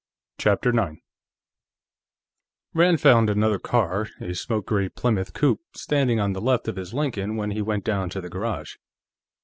CHAPTER 9 Rand found another car, a smoke gray Plymouth coupé, standing on the left of his Lincoln when he went down to the garage.